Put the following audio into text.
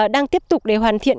đang tiếp tục để hoàn thiện